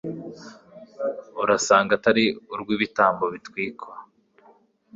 urasanga atari urw'ibitambo bitwikwa